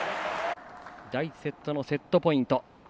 第１セットのセットポイント。